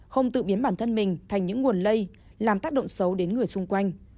không tự biến bản thân mình thành những nguồn lây làm tác động xấu đến người xung quanh